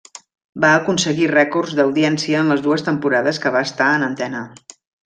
Va aconseguir rècords d'audiència en les dues temporades que va estar en antena.